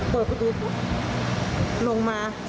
เปิดประตูลงมา